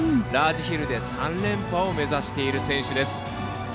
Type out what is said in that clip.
ラージヒルで３連覇を目指している選手です。